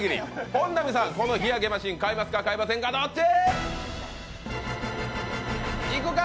本並さん、この日焼けマシン買いますか、買いませんか？